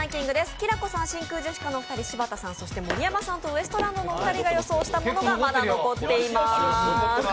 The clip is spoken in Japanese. きらこさん、真空ジェシカのお二人そして盛山さんとウエストランドのお二人が予想したものが、まだ残っています。